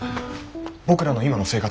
僕らの今の生活。